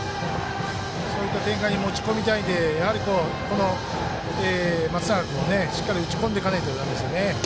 そういった展開に持ち込みたいのでやはり、松永君をしっかり打ち込んでいかないとだめですよね。